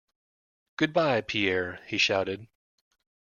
Goodbye, Pierre, he shouted.